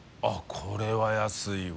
△これは安いわ。